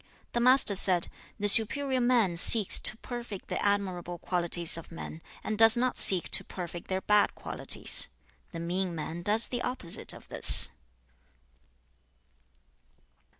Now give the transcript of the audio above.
XVI. The Master said, 'The superior man seeks to perfect the admirable qualities of men, and does not seek to perfect their bad qualities. The mean man does the opposite of this.'